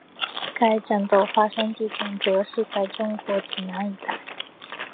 该战斗发生地点则是在中国赣南一带。